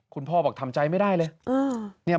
คุณพ่อบอกทำใจไม่ได้เลย